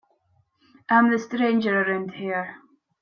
I'm the stranger around here.